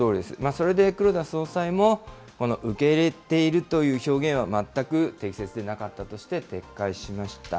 それで黒田総裁も、この受け入れているという表現は、全く適切でなかったとして撤回しました。